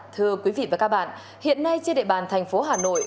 thưa quý vị và các bạn hiện nay trên địa bàn thành phố hà nội